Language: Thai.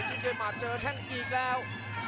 วัสินชัยมาเจอแข่งอีกแล้ว